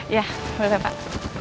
iya boleh pak